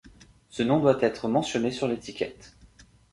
Ce nom doit être mentionné sur l'étiquette.